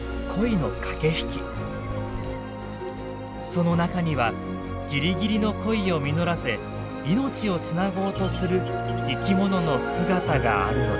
その中にはギリギリの恋を実らせ命をつなごうとする生きものの姿があるのです。